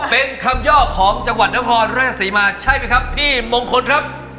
เป็นคำย่อของจังหวัดนครราชศรีมาใช่ไหมครับพี่มงคลครับ